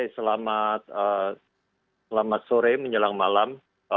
selamat sore menjelang malam